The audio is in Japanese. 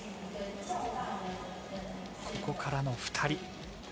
ここからの２人。